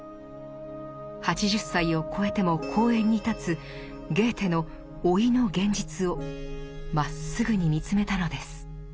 ８０歳をこえても講演に立つゲーテの老いの現実をまっすぐに見つめたのです。